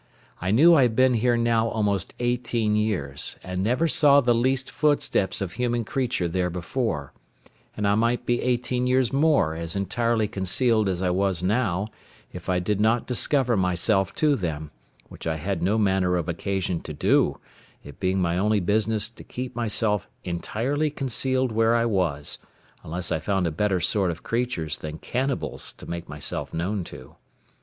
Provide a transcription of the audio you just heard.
I knew I had been here now almost eighteen years, and never saw the least footsteps of human creature there before; and I might be eighteen years more as entirely concealed as I was now, if I did not discover myself to them, which I had no manner of occasion to do; it being my only business to keep myself entirely concealed where I was, unless I found a better sort of creatures than cannibals to make myself known to.